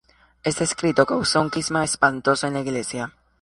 Este escrito causó un cisma espantoso en la Iglesia.